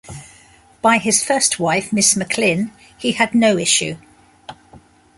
By his first wife, Miss McLinn, he had no issue.